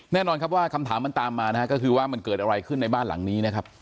แน่นอนครับว่าคำถามมันตามมานะฮะก็คือว่ามันเกิดอะไรขึ้นในบ้านหลังนี้นะครับ